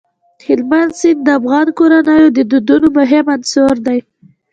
هلمند سیند د افغان کورنیو د دودونو مهم عنصر دی.